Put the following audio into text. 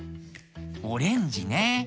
オレンジね。